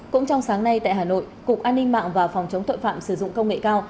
cũng trong sáng nay tại hà nội cục an ninh mạng và phòng chống tội phạm sử dụng công nghệ cao